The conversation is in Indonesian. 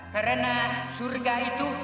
karena surga itu